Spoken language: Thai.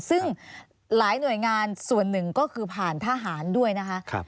ซึ่งหลายหน่วยงานส่วนหนึ่งก็คือผ่านทหารด้วยนะคะ